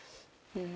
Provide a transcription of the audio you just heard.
うん。